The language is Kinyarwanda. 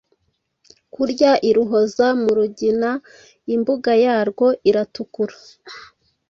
Kurya iruhoza mu rugina Imbuga yarwo iratukura